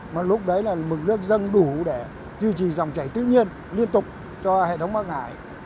mà lúc đấy là mực nước dâng đủ để duy trì dòng chảy tự nhiên liên tục cho hệ thống bắc hải